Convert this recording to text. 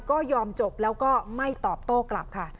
ก็ยอมจบแล้วก็ไม่ตอบโต้กลับค่ะ